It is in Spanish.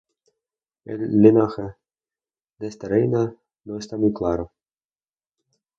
El linaje de esta reina no está muy claro.